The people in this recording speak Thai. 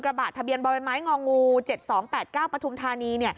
บะทะเบียนบ่อยไม้งองู๗๒๘๙ปฐุมธานี